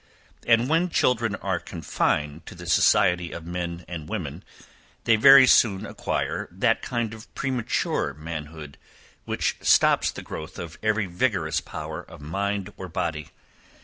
And when children are confined to the society of men and women, they very soon acquire that kind of premature manhood which stops the growth of every vigorous power of mind or body.